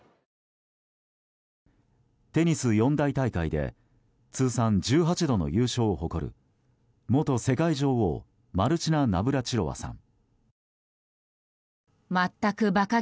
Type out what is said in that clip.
テニス四大大会で通算１８度の優勝を誇る元世界女王マルチナ・ナブラチロワさん。